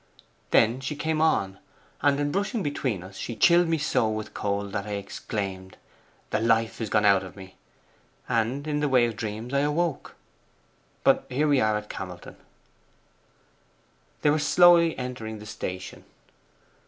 Then she came on. And in brushing between us she chilled me so with cold that I exclaimed, "The life is gone out of me!" and, in the way of dreams, I awoke. But here we are at Camelton.' They were slowly entering the station.